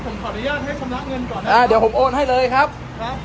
ผมขออนุญาตให้ชำระเงินก่อนนะอ่าเดี๋ยวผมโอนให้เลยครับครับ